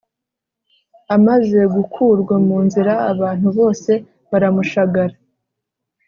Amaze gukurwa mu nzira abantu bose baramushagara